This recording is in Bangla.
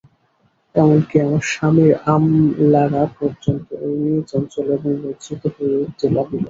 এমন-কি, আমার স্বামীর আমলারা পর্যন্ত এই নিয়ে চঞ্চল এবং লজ্জিত হয়ে উঠতে লাগল।